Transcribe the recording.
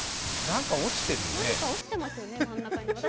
何か落ちてるよね。